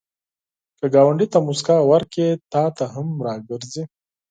که ګاونډي ته مسکا ورکړې، تا ته هم راګرځي